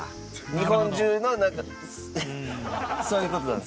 日本中のなんかそういう事なんですよ。